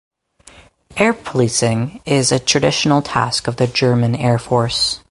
Air policing is a traditional task of the German Air Force.